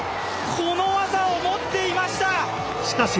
この技を持っていました！